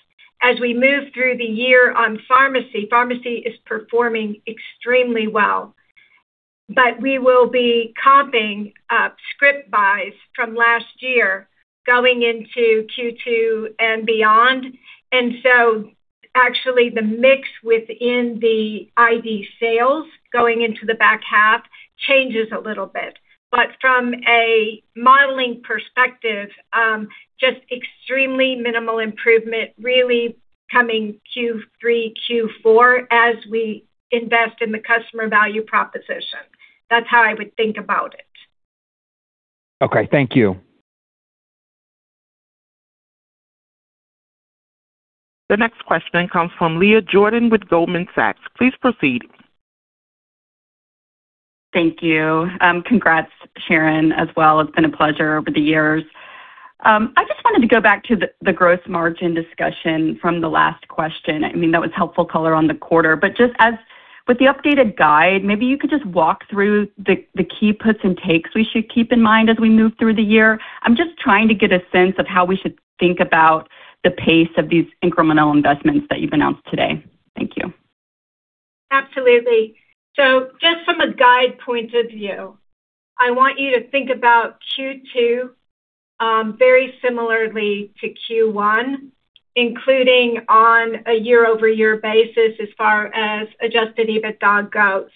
Speaker 4: As we move through the year on pharmacy is performing extremely well. We will be comping up script buys from last year going into Q2 and beyond. Actually the mix within the identical sales going into the back half changes a little bit. From a modeling perspective, just extremely minimal improvement really coming Q3, Q4, as we invest in the customer value proposition. That's how I would think about it.
Speaker 8: Okay, thank you.
Speaker 1: The next question comes from Leah Jordan with Goldman Sachs. Please proceed.
Speaker 9: Thank you. Congrats, Sharon, as well. It's been a pleasure over the years. I just wanted to go back to the gross margin discussion from the last question. That was helpful color on the quarter, just as with the updated guide, maybe you could just walk through the key puts and takes we should keep in mind as we move through the year. I'm just trying to get a sense of how we should think about the pace of these incremental investments that you've announced today. Thank you.
Speaker 4: Just from a guide point of view, I want you to think about Q2 very similarly to Q1, including on a year-over-year basis as far as adjusted EBITDA goes.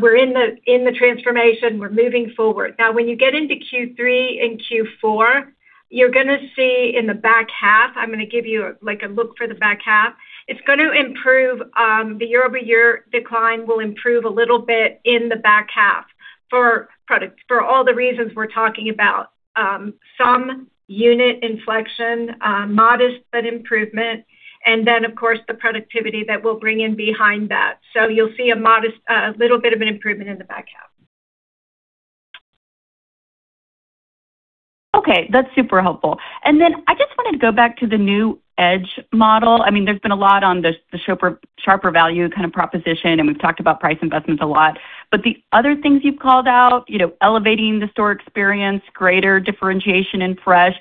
Speaker 4: We're in the transformation. We're moving forward. When you get into Q3 and Q4, you're going to see in the back half, I'm going to give you a look for the back half. It's going to improve, the year-over-year decline will improve a little bit in the back half for products, for all the reasons we're talking about. Some unit inflection, modest but improvement, then, of course, the productivity that we'll bring in behind that. You'll see a modest, a little bit of an improvement in the back half.
Speaker 9: Okay, that's super helpful. I just wanted to go back to the new Edge model. There's been a lot on the sharper value kind of proposition, and we've talked about price investments a lot. The other things you've called out, elevating the store experience, greater differentiation and fresh,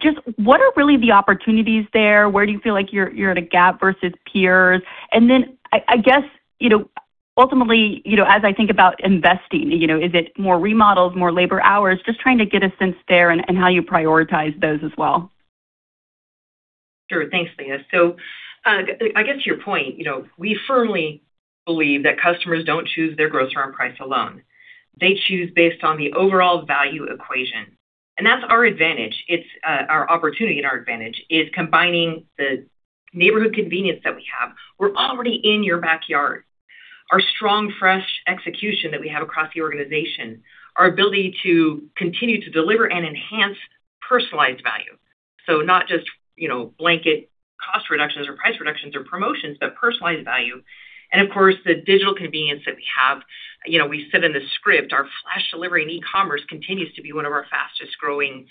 Speaker 9: just what are really the opportunities there? Where do you feel like you're at a gap versus peers? I guess, ultimately as I think about investing, is it more remodels, more labor hours? Just trying to get a sense there and how you prioritize those as well.
Speaker 3: Sure. Thanks, Leah. I guess to your point, we firmly believe that customers don't choose their grocer on price alone. They choose based on the overall value equation. That's our advantage. It's our opportunity and our advantage is combining the neighborhood convenience that we have. We're already in your backyard. Our strong fresh execution that we have across the organization, our ability to continue to deliver and enhance personalized value. Not just blanket cost reductions or price reductions or promotions, but personalized value. Of course, the digital convenience that we have. We said in the script, our flash delivery and e-commerce continues to be one of our fastest growing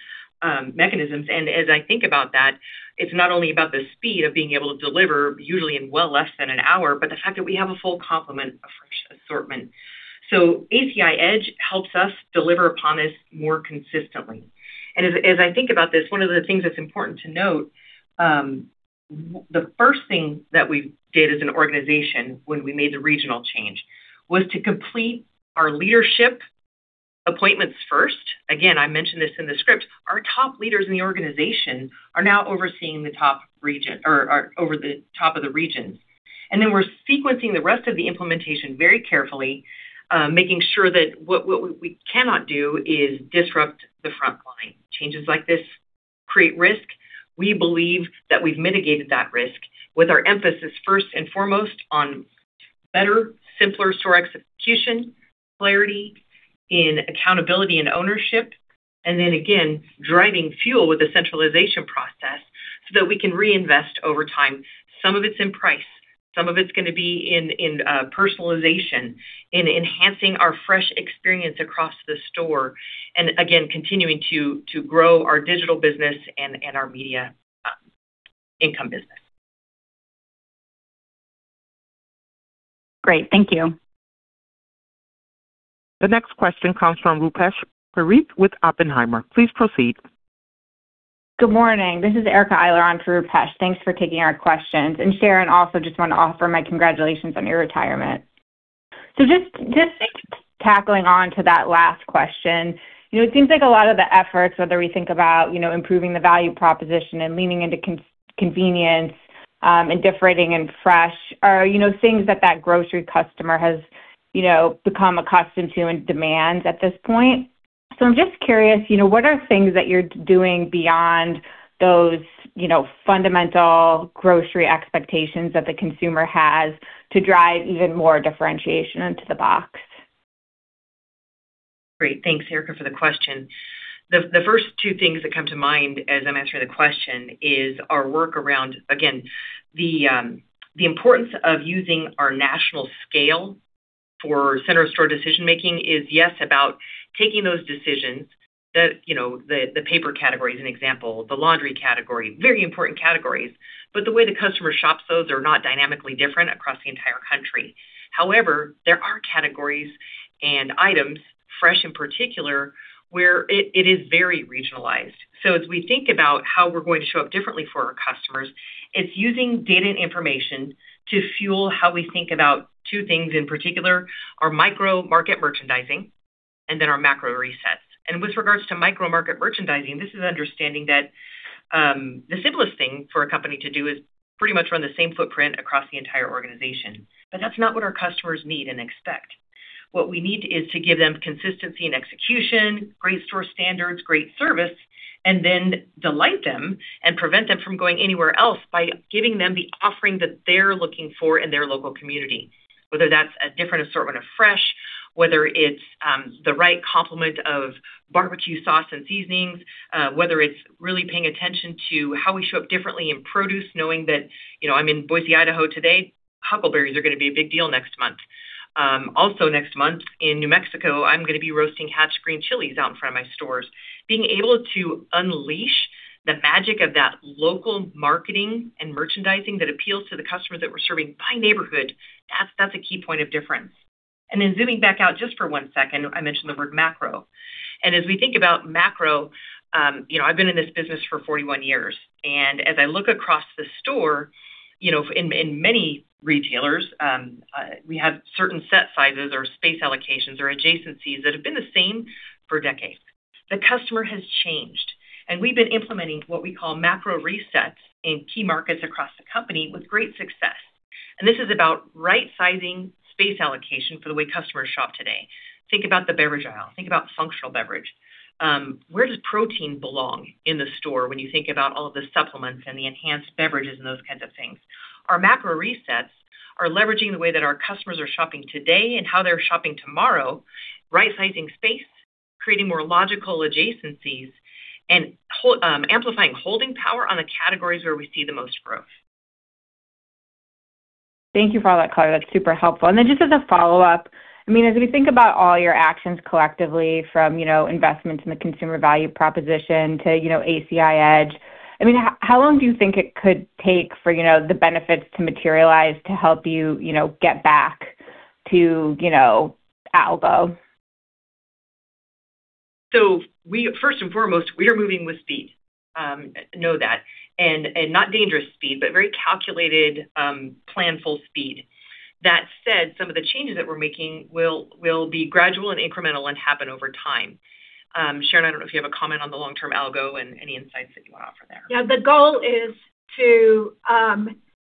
Speaker 3: mechanisms. As I think about that, it's not only about the speed of being able to deliver, usually in well less than an hour, but the fact that we have a full complement of fresh assortment. ACI Edge helps us deliver upon this more consistently. As I think about this, one of the things that's important to note, the first thing that we did as an organization when we made the regional change was to complete our leadership appointments first. Again, I mentioned this in the script. Our top leaders in the organization are now over the top of the regions. We're sequencing the rest of the implementation very carefully, making sure that what we cannot do is disrupt the front line. Changes like this create risk. We believe that we've mitigated that risk with our emphasis first and foremost on better, simpler store execution, clarity in accountability and ownership, again, driving fuel with the centralization process so that we can reinvest over time. Some of it's in price, some of it's going to be in personalization, in enhancing our fresh experience across the store. Again, continuing to grow our digital business and our media income business.
Speaker 9: Great. Thank you.
Speaker 1: The next question comes from Rupesh Parikh with Oppenheimer. Please proceed.
Speaker 10: Good morning. This is Erica Eiler on for Rupesh. Thanks for taking our questions. Sharon, also just want to offer my congratulations on your retirement. Just tackling on to that last question. It seems like a lot of the efforts, whether we think about improving the value proposition and leaning into convenience, and differentiating and fresh are things that that grocery customer has become accustomed to and demands at this point. I'm just curious, what are things that you're doing beyond those fundamental grocery expectations that the consumer has to drive even more differentiation into the box?
Speaker 3: Great. Thanks, Erica, for the question. The first two things that come to mind as I'm answering the question is our work around, again, the importance of using our national scale for Center Store decision-making is, yes, about taking those decisions that, the paper category is an example, the laundry category, very important categories, but the way the customer shops, those are not dynamically different across the entire country. However, there are categories and items, fresh in particular, where it is very regionalized. As we think about how we're going to show up differently for our customers, it's using data and information to fuel how we think about two things in particular, our micro-market merchandising, and then our macro resets. With regards to micro-market merchandising, this is understanding that the simplest thing for a company to do is pretty much run the same footprint across the entire organization. That's not what our customers need and expect. What we need is to give them consistency and execution, great store standards, great service, and then delight them and prevent them from going anywhere else by giving them the offering that they're looking for in their local community, whether that's a different assortment of fresh, whether it's the right complement of barbecue sauce and seasonings, whether it's really paying attention to how we show up differently in produce, knowing that, I'm in Boise, Idaho today, huckleberries are going to be a big deal next month. Also next month, in New Mexico, I'm going to be roasting Hatch green chilies out in front of my stores. Being able to unleash the magic of that local marketing and merchandising that appeals to the customers that we're serving by neighborhood, that's a key point of difference. Zooming back out just for one second, I mentioned the word macro. As we think about macro, I've been in this business for 41 years, and as I look across the store, in many retailers, we have certain set sizes or space allocations or adjacencies that have been the same for decades. The customer has changed, and we've been implementing what we call macro resets in key markets across the company with great success. This is about right-sizing space allocation for the way customers shop today. Think about the beverage aisle. Think about functional beverage. Where does protein belong in the store when you think about all of the supplements and the enhanced beverages and those kinds of things? Our macro resets are leveraging the way that our customers are shopping today and how they're shopping tomorrow, right-sizing space, creating more logical adjacencies, and amplifying holding power on the categories where we see the most growth.
Speaker 10: Thank you for all that color. That's super helpful. Just as a follow-up, as we think about all your actions collectively from investments in the consumer value proposition to ACI Edge, how long do you think it could take for the benefits to materialize to help you get back to ALGO?
Speaker 3: First and foremost, we are moving with speed. Know that. Not dangerous speed, but very calculated, planful speed. That said, some of the changes that we're making will be gradual and incremental and happen over time. Sharon, I don't know if you have a comment on the long-term ALGO and any insights that you want to offer there.
Speaker 4: Yeah. The goal is to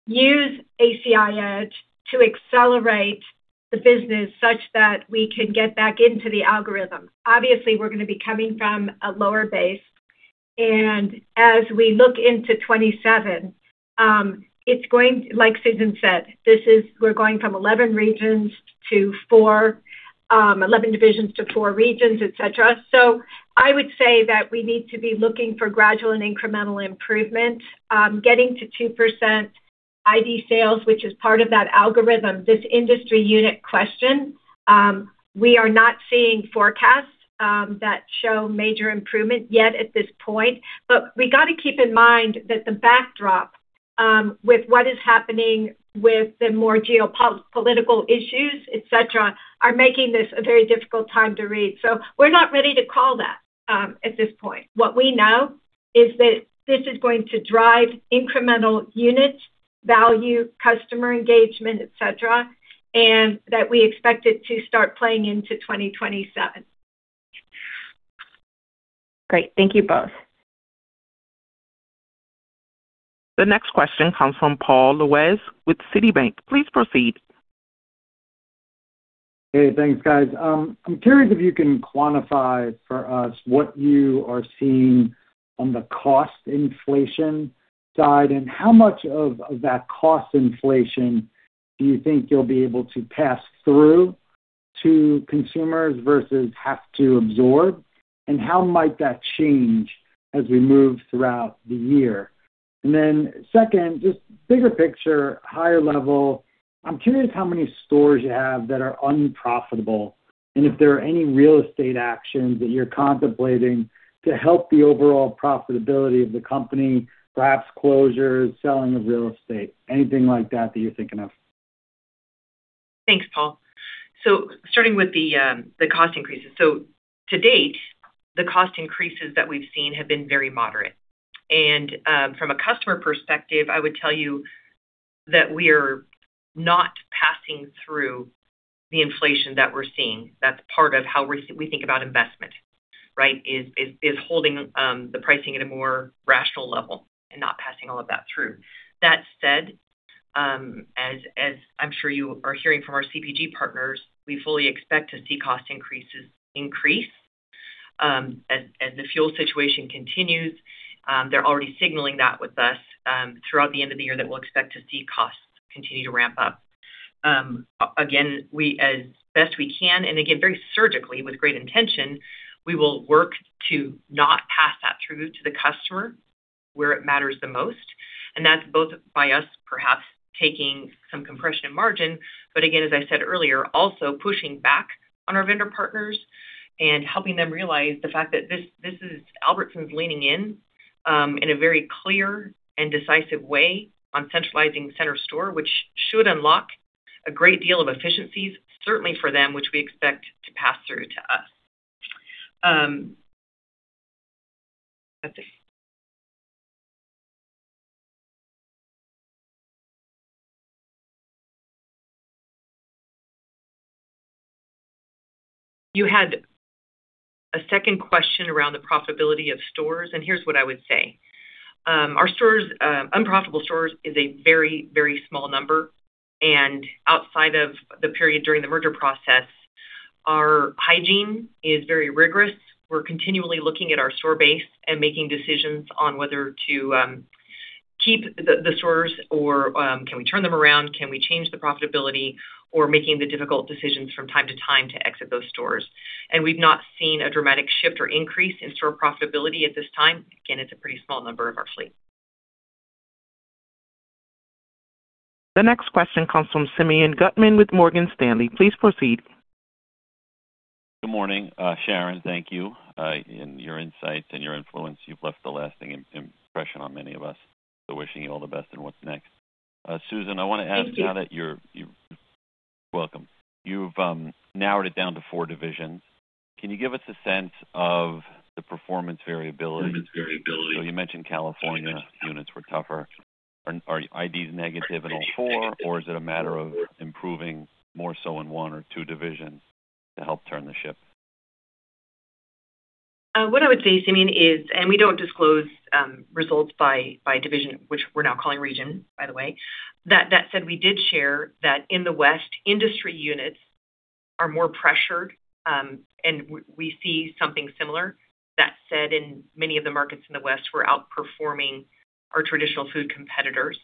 Speaker 4: use ACI Edge to accelerate the business such that we can get back into the algorithm. Obviously, we're going to be coming from a lower base, and as we look into 2027, like Susan said, we're going from 11 divisions to four regions, et cetera. I would say that we need to be looking for gradual and incremental improvement. Getting to 2% identical sales, which is part of that algorithm, this industry unit question, we are not seeing forecasts that show major improvement yet at this point. We got to keep in mind that the backdrop with what is happening with the more geopolitical issues, et cetera, are making this a very difficult time to read. We're not ready to call that at this point. What we know is that this is going to drive incremental unit value, customer engagement, et cetera, and that we expect it to start playing into 2027.
Speaker 10: Great. Thank you both.
Speaker 1: The next question comes from Paul Lejuez with Citibank. Please proceed.
Speaker 11: Hey. Thanks, guys. I'm curious if you can quantify for us what you are seeing on the cost inflation side, how much of that cost inflation do you think you'll be able to pass through to consumers versus have to absorb? How might that change as we move throughout the year? Second, just bigger picture, higher level, I'm curious how many stores you have that are unprofitable and if there are any real estate actions that you're contemplating to help the overall profitability of the company, perhaps closures, selling of real estate, anything like that you're thinking of.
Speaker 3: Thanks, Paul. Starting with the cost increases. To date, the cost increases that we've seen have been very moderate. From a customer perspective, I would tell you that we're not passing through the inflation that we're seeing. That's part of how we think about investment, right? Is holding the pricing at a more rational level and not passing all of that through. That said, as I'm sure you are hearing from our CPG partners, we fully expect to see cost increases increase. As the fuel situation continues, they're already signaling that with us throughout the end of the year that we'll expect to see costs continue to ramp up. Again, as best we can, again, very surgically with great intention, we will work to not pass that through to the customer. Where it matters the most, that's both by us perhaps taking some compression in margin, again, as I said earlier, also pushing back on our vendor partners and helping them realize the fact that this is Albertsons leaning in a very clear and decisive way on centralizing Center Store. Which should unlock a great deal of efficiencies, certainly for them, which we expect to pass through to us. You had a second question around the profitability of stores, here's what I would say. Our unprofitable stores is a very small number, outside of the period during the merger process, our hygiene is very rigorous. We're continually looking at our store base and making decisions on whether to keep the stores or can we turn them around, can we change the profitability, or making the difficult decisions from time to time to exit those stores. We've not seen a dramatic shift or increase in store profitability at this time. Again, it's a pretty small number of our fleet.
Speaker 1: The next question comes from Simeon Gutman with Morgan Stanley. Please proceed.
Speaker 12: Good morning, Sharon. Thank you. In your insights and your influence, you've left a lasting impression on many of us. Wishing you all the best in what's next. Susan, I want to ask.
Speaker 4: Thank you.
Speaker 12: Welcome. You've narrowed it down to four divisions. Can you give us a sense of the performance variability? You mentioned California units were tougher. Are IDs negative in all four, or is it a matter of improving more so in one or two divisions to help turn the ship?
Speaker 3: What I would say, Simeon, we don't disclose results by division, which we're now calling region, by the way. That said, we did share that in the West, industry units are more pressured, and we see something similar. That said, in many of the markets in the West, we're outperforming our traditional food competitors.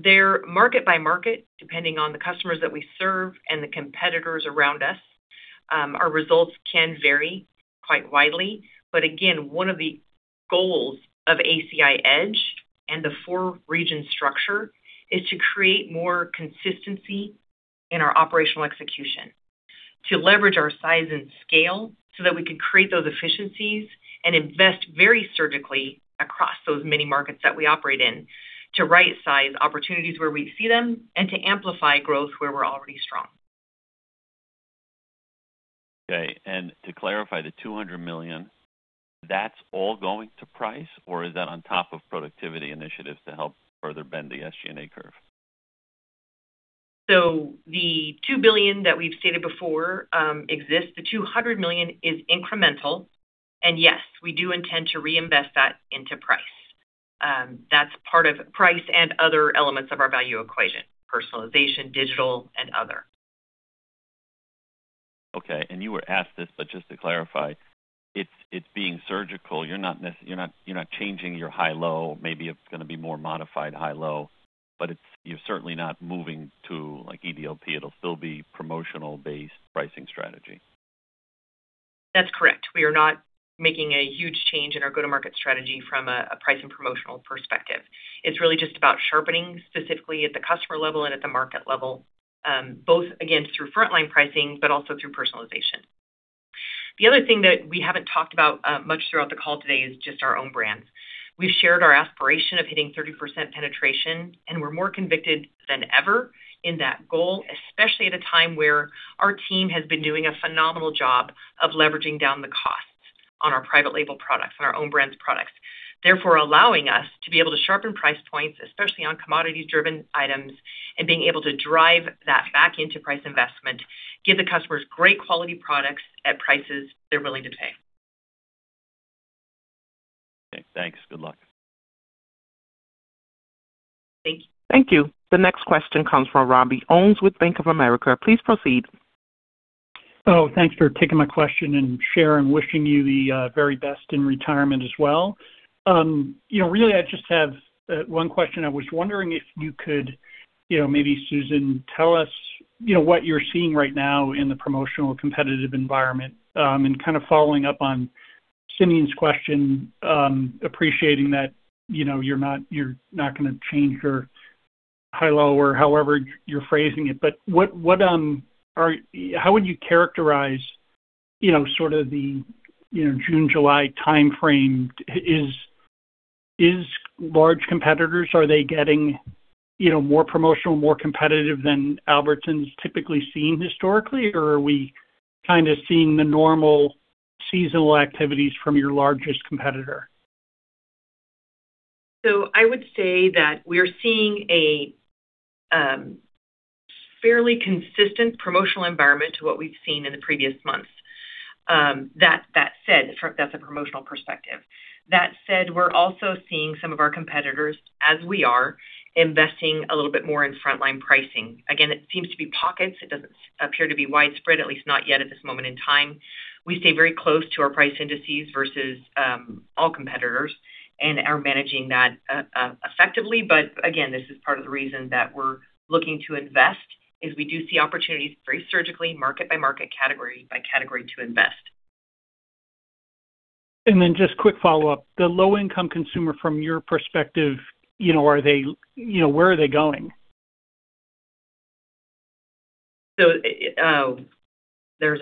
Speaker 3: They're market by market, depending on the customers that we serve and the competitors around us. Our results can vary quite widely. Again, one of the goals of ACI Edge and the four region structure is to create more consistency in our operational execution, to leverage our size and scale so that we could create those efficiencies and invest very surgically across those many markets that we operate in to rightsize opportunities where we see them and to amplify growth where we're already strong.
Speaker 12: Okay. To clarify, the $200 million, that's all going to price or is that on top of productivity initiatives to help further bend the SG&A curve?
Speaker 3: The $2 billion that we've stated before, exists. The $200 million is incremental, and yes, we do intend to reinvest that into price. That's part of price and other elements of our value equation, personalization, digital, and other.
Speaker 12: Okay. You were asked this, but just to clarify, it being surgical, you're not changing your high-low. Maybe it's going to be more modified high-low, but you're certainly not moving to EDLP. It'll still be promotional-based pricing strategy.
Speaker 3: That's correct. We are not making a huge change in our go-to-market strategy from a price and promotional perspective. It's really just about sharpening specifically at the customer level and at the market level, both again through frontline pricing, but also through personalization. The other thing that we haven't talked about much throughout the call today is just our own brands. We've shared our aspiration of hitting 30% penetration. We're more convicted than ever in that goal, especially at a time where our team has been doing a phenomenal job of leveraging down the costs on our private label products and our own brands products. Allowing us to be able to sharpen price points, especially on commodity-driven items, and being able to drive that back into price investment, give the customers great quality products at prices they're willing to pay.
Speaker 12: Okay, thanks. Good luck.
Speaker 3: Thank you.
Speaker 1: Thank you. The next question comes from Robert Ohmes with Bank of America. Please proceed.
Speaker 13: Oh, thanks for taking my question, Sharon, wishing you the very best in retirement as well. Really, I just have one question. I was wondering if you could, maybe Susan, tell us what you're seeing right now in the promotional competitive environment. Kind of following up on Simeon's question, appreciating that you're not going to change your high-low or however you're phrasing it. How would you characterize sort of the June, July timeframe? Is large competitors, are they getting more promotional, more competitive than Albertsons typically seen historically, or are we kind of seeing the normal seasonal activities from your largest competitor?
Speaker 3: I would say that we're seeing a fairly consistent promotional environment to what we've seen in the previous months. That said, that's a promotional perspective. That said, we're also seeing some of our competitors, as we are, investing a little bit more in frontline pricing. Again, it seems to be pockets. It doesn't appear to be widespread, at least not yet at this moment in time. We stay very close to our price indices versus all competitors and are managing that effectively. Again, this is part of the reason that we're looking to invest, is we do see opportunities very surgically, market by market, category by category to invest.
Speaker 13: Just quick follow-up. The low-income consumer, from your perspective, where are they going?
Speaker 3: There's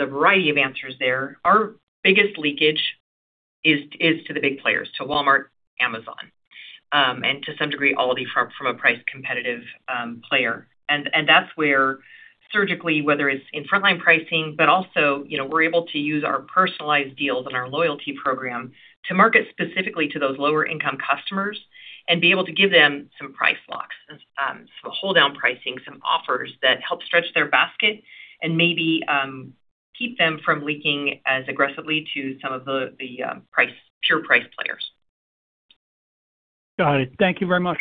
Speaker 3: a variety of answers there. Our biggest leakage is to the big players, to Walmart, Amazon, and to some degree, Aldi from a price competitive player. That's where surgically, whether it's in frontline pricing, but also we're able to use our personalized deals and our loyalty program to market specifically to those lower income customers and be able to give them some price locks, some hold down pricing, some offers that help stretch their basket and maybe keep them from leaking as aggressively to some of the pure price players.
Speaker 13: Got it. Thank you very much.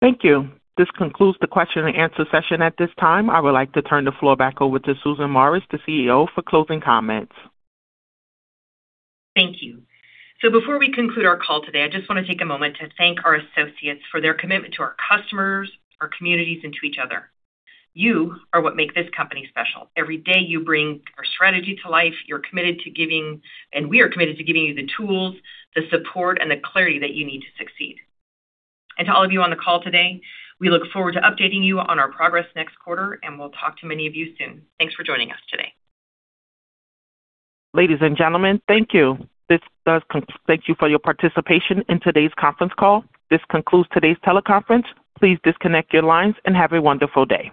Speaker 1: Thank you. This concludes the question and answer session at this time. I would like to turn the floor back over to Susan Morris, the CEO, for closing comments.
Speaker 3: Thank you. Before we conclude our call today, I just want to take a moment to thank our associates for their commitment to our customers, our communities, and to each other. You are what make this company special. Every day, you bring our strategy to life. You're committed to giving, and we are committed to giving you the tools, the support, and the clarity that you need to succeed. To all of you on the call today, we look forward to updating you on our progress next quarter, and we'll talk to many of you soon. Thanks for joining us today.
Speaker 1: Ladies and gentlemen, thank you. Thank you for your participation in today's conference call. This concludes today's teleconference. Please disconnect your lines and have a wonderful day.